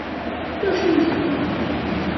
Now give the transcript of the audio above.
D acu i tebɣa?